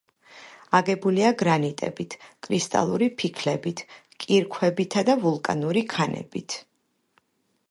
აგებულია გრანიტებით, კრისტალური ფიქლებით, კირქვებითა და ვულკანური ქანებით.